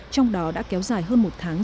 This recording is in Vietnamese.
trong đó đã kéo dài hơn một tháng